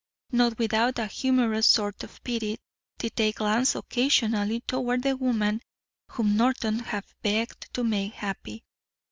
Not without a humorous sort of pity did they glance occasionally toward the woman whom Norton had begged to make happy.